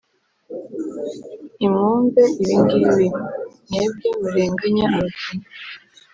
imwumve ibi ngibi, mwebwe murenganya abakene,